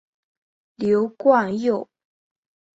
刘冠佑。